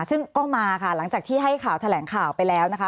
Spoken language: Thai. ซึ่งก็มาค่ะหลังจากที่ให้ข่าวแถลงข่าวไปแล้วนะคะ